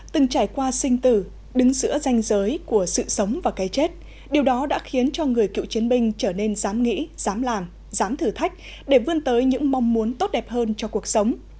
từng trải qua sinh tử đứng giữa danh giới của sự sống và cái chết điều đó đã khiến cho người cựu chiến binh trở nên dám nghĩ dám làm dám thử thách để vươn tới những mong muốn tốt đẹp hơn cho cuộc sống